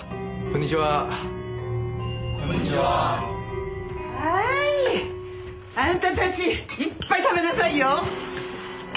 はーいあんたたちいっぱい食べなさいよ。